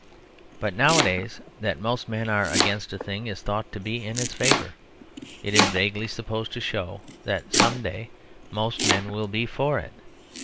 But nowadays that most men are against a thing is thought to be in its favour; it is vaguely supposed to show that some day most men will be for it.